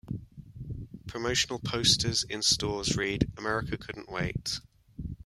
Promotional posters in stores read, "America Couldn't Wait".